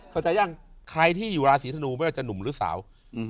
เข้าใจยังใครที่อยู่ราศีธนูไม่ว่าจะหนุ่มหรือสาวอืม